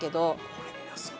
これ皆さん